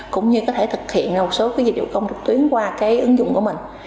cũng như có thể thực hiện một số dịch vụ công trực tuyến qua cái ứng dụng của mình